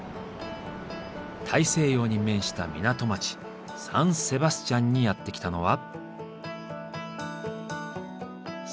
大西洋に面した港町サン・セバスチャンにやって来たのは。